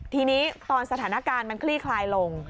ทีนี้ตอนสถานการณ์มันคลี่คลายลง